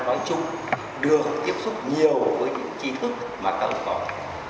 nói chung được tiếp xúc nhiều với những chi thức mà cậu còn